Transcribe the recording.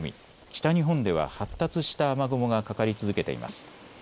北日本では発達した雨雲がかかり続けています。